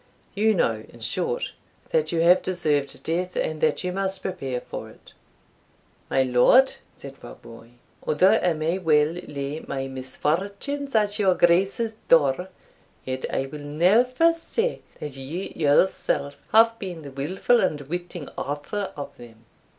You know, in short, that you have deserved death, and that you must prepare for it." "My Lord," said Rob Roy, "although I may well lay my misfortunes at your Grace's door, yet I will never say that you yourself have been the wilful and witting author of them.